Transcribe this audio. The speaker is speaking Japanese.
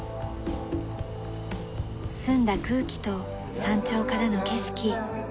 澄んだ空気と山頂からの景色。